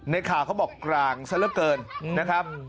ในข่าวเขาบอกกลางซะเหลือเกินนะครับ